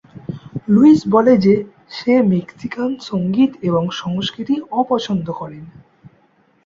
Luis বলে যে সে মেক্সিকান সংগীত এবং সংস্কৃতি অপছন্দ করেন।